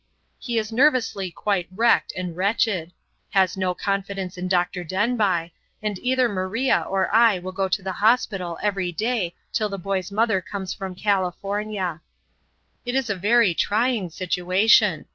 He is nervously quite wrecked and wretched; has no confidence in Dr. Denbigh; and either Maria or I will go to the hospital every day till the boy's mother comes from California. It is a very trying situation.